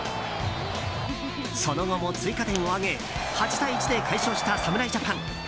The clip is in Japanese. その後も追加点を挙げ８対１で快勝した侍ジャパン。